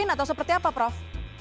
atau seperti apa prof